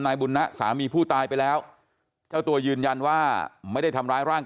บุญนะสามีผู้ตายไปแล้วเจ้าตัวยืนยันว่าไม่ได้ทำร้ายร่าง